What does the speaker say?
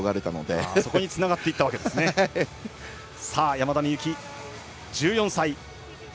山田美幸、１４歳。